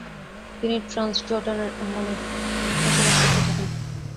তিনি ট্রান্সজর্ডানের আম্মানে বসবাস করতে থাকেন।